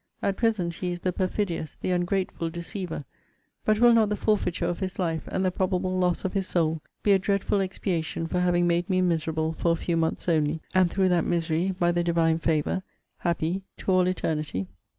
At present he is the perfidious, the ungrateful deceiver; but will not the forfeiture of his life, and the probable loss of his soul, be a dreadful expiation for having made me miserable for a few months only, and through that misery, by the Divine favour, happy to all eternity?